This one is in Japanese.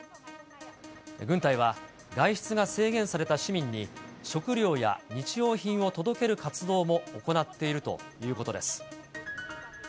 軍隊は外出が制限された市民に、食料や日用品を届ける活動も行っているということです。